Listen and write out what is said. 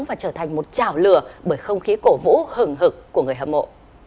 và trở thành một chảo lửa bởi không khí cổ vũ hưởng hực của người hâm mộ